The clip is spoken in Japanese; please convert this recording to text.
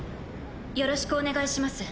よろしくお願いします